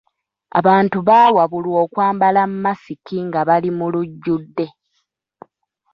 Abantu baawabulwa okwambala masiki nga bali mu lujjudde.